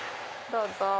どうぞ。